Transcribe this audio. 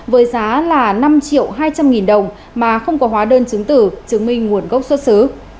với giá là năm triệu hai trăm linh nghìn đồng mà không có hóa đơn chứng tử chứng minh nguồn gốc xuất xứ